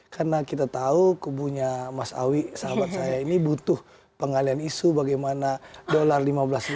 karena kita tahu kubunya mas awi sahabat saya ini butuh pengalian isu bagaimana dolar lima belas dolar